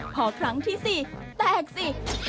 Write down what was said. พอครั้งที่๔แตกสิ